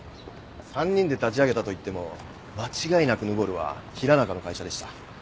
３人で立ち上げたといっても間違いなくヌボルは平中の会社でした。